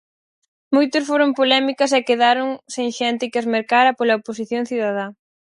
Moitas foron polémicas e quedaron sen xente que as mercara pola oposición cidadá.